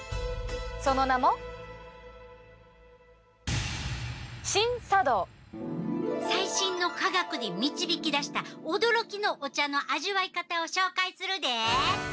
その名も最新の科学で導き出した驚きのお茶の味わい方を紹介するで！